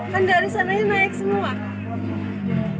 kan dari sananya naik semua